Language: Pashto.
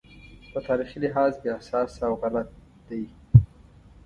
په تاریخي لحاظ بې اساسه او غلط دی.